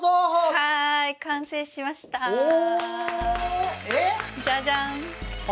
はい完成しましたおお！